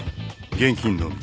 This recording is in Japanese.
現金のみ。